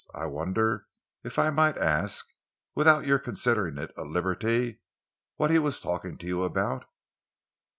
I wonder if I might ask; without your considering it a liberty, what he was talking to you about?"